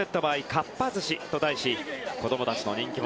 かっぱ寿司と題し子供たちの人気者